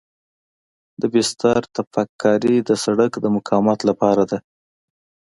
د بستر تپک کاري د سرک د مقاومت لپاره ده